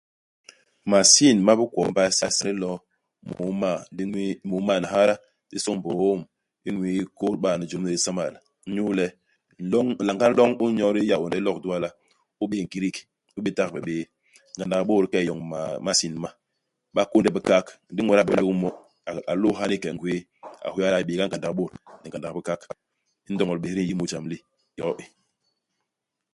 Masin ma bikwo i mbay i Séga i dilo 20 di ñwii, 21 di sôñ biôôm, i ñwiii 2016 inyu le, nloñ, nlanga u nloñ u nyodi i Yaônde u lok i Duala, u bé'é nkidik, u bé tagbe bé. Ngandak i bôt i ke i yoñ ma masin ma. Ba kônde bikak. Ndi iñwet a bé luk mo, a a lôô ni ike ngwéé. A hôya le a bééga ngandak i bôt ni ngandak i bikak. Indoñol bés di n'yi mu ijam li, yo i.